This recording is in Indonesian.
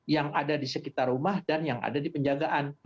yang ada di sekitar rumah dan yang ada di penjagaan